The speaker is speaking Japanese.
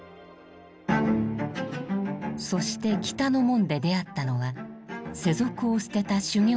そして北の門で出会ったのは世俗を捨てた修行僧。